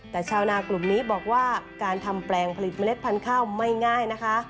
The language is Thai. แต่ชาวนากลุ่มนี้บอกว่าการทำแปลงผลิตเมล็ดพันธุ์ข้าวไม่ง่ายนะคะ